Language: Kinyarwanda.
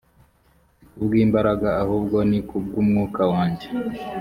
si ku bw imbaraga ahubwo ni ku bw umwuka wanjye